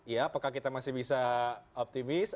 ya apakah kita masih bisa optimis